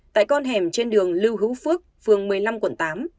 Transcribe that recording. tại con hẻm trên đường lưu hữu phước phường một mươi năm quận tám